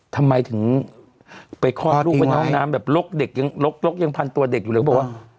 ทำไมถึงไปคลอดลูกไว้ในห้องน้ำแบบลกเด็กยังลกยังพันตัวเด็กอยู่เลยเขาบอกว่า